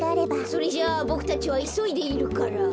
それじゃボクたちはいそいでいるから。